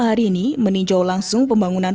hari ini meninjau langsung pembangunan